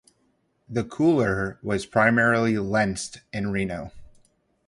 "The Cooler" was primarily lensed in Reno.